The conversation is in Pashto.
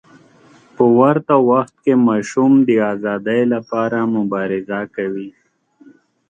په ورته وخت کې ماشوم د ازادۍ لپاره مبارزه کوي.